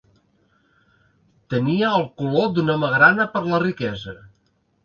Tenia el color d'una magrana per la riquesa.